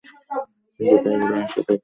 কিন্তু তাই বলে আশা ত্যাগ করে না।